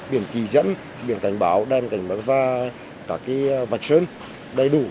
biển kỳ dẫn biển cảnh báo đèn cảnh báo và cả cái vạch sơn đầy đủ